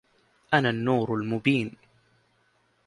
أنا النور المبين